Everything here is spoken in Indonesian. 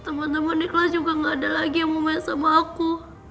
teman teman di kelas juga gak ada lagi yang mau main sama aku